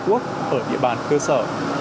quốc ở địa bàn cơ sở